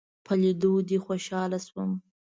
په ليدو دې خوشحاله شوم